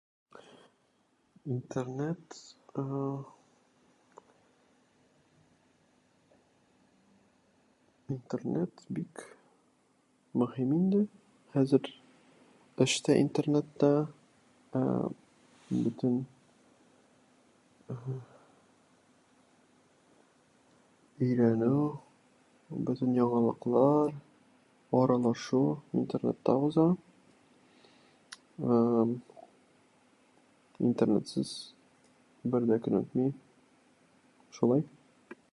Интернет, ә-ә... интернет бик мөһим инде хәзер. Ачта интернетта, ә-ә, бөтен, әһә, өйрәнү, бөтен яңалыклар, аралашу - интернетта үзе. Ә-әм, интернетсыз, [unintelligible] шулай.